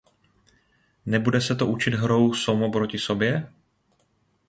Nebude se to učit hrou somo proti sobě?